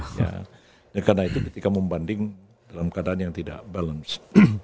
karena itu ketika membanding dalam keadaan yang tidak balance